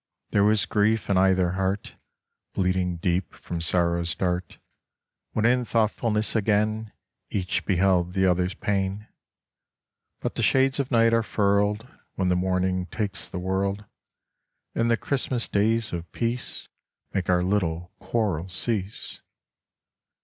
There was grief in either heart, Bleeding deep from sorrow's dart, When in thoughtfulness again Each beheld the other's pain. But the shades of night are furled When the morning takes the world, And the Christmas days of peace Make our little quarrels cease.